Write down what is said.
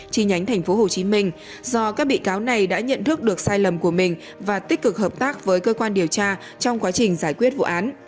chi nhánh tp hcm do các bị cáo này đã nhận thức được sai lầm của mình và tích cực hợp tác với cơ quan điều tra trong quá trình giải quyết vụ án